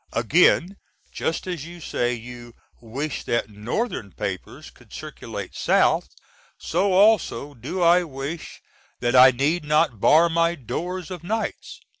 Again, just as you say you "wish that North^n. papers could circulate South," so also do I wish that I need not bar my doors of nights.